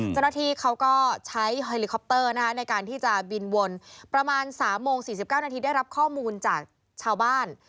เจ้าหน้าที่เขาก็ใช้เฮลิคอปเตอร์ในการที่จะบินวนประมาณ๓โมง๔๙นาทีได้รับข้อมูลจากชาวบ้าน